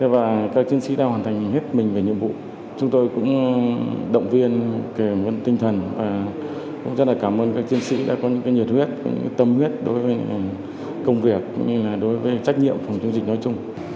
và các chiến sĩ đã hoàn thành hết mình về nhiệm vụ chúng tôi cũng động viên kể mức tinh thần và cũng rất là cảm ơn các chiến sĩ đã có những nhiệt huyết tâm huyết đối với công việc đối với trách nhiệm phòng chống dịch nói chung